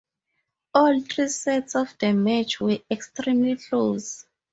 All three sets of the match were extremely close.